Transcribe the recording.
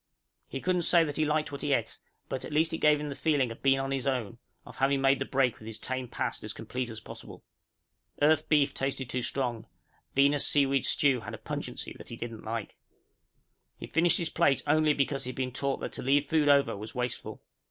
He couldn't say that he liked what he ate, but at least it gave him the feeling of being on his own, of having made the break with his tame past as complete as possible. Earth beef tasted too strong; Venus seaweed stew had a pungency that he didn't like. He finished his plate only because he had been taught that to leave food over was wasteful.